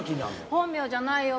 本名じゃないよ。